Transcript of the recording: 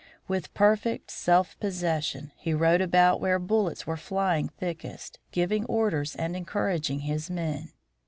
With perfect self possession he rode about where bullets were flying thickest, giving orders and encouraging his men.